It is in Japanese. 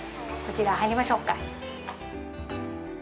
こちら入りましょうか。